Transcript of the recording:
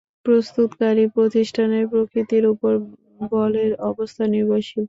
প্রস্তুতকারী প্রতিষ্ঠানের প্রকৃতির উপর বলের অবস্থা নির্ভরশীল।